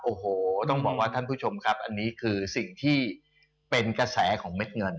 โอ้โหต้องบอกว่าท่านผู้ชมครับอันนี้คือสิ่งที่เป็นกระแสของเม็ดเงิน